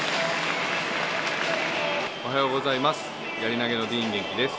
おはようございます。